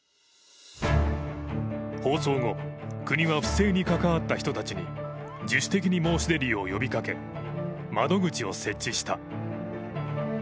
放送後、国は不正に関わった人たちに自主的に申し出るよう呼びかけ窓口を設置した。